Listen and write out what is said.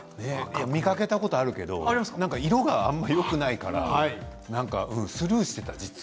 見かけたことあるけど色があまりよくないからスルーしていた、実は。